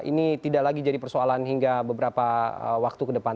jadi ini tidak lagi jadi persoalan hingga beberapa waktu ke depan